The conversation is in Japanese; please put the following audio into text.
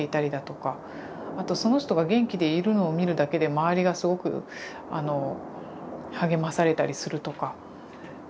あとその人が元気でいるのを見るだけで周りがすごく励まされたりするとか。